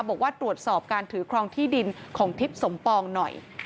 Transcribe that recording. บอกว่าตรวจสอบการถือครองที่ดินของทิพย์สมปองหน่อย